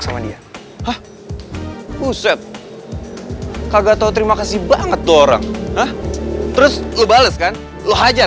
sama dia hah buset kagak tahu terima kasih banget orang hah terus lo baleskan lo hajar